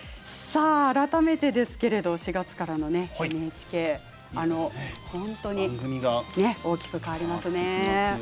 改めてですけれど４月からのＮＨＫ、本当に大きく変わりますね。